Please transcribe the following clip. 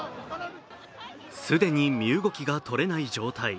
既に身動きが取れない状態。